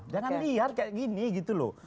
jangan liar kayak gini gitu loh